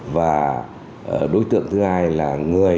và đối tượng thứ hai là người